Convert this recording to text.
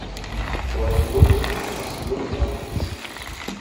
Deutschen Bundestages Jürgen Martens.